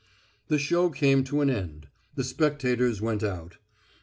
The show came to an end. The spectators went out.